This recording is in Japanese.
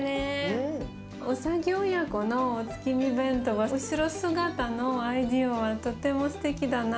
うさぎ親子のお月見弁当は後ろ姿のアイデアはとてもすてきだな。